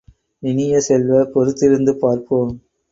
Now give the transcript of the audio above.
இனிய செல்வ, பொறுத்திருந்து பார்ப்போம்!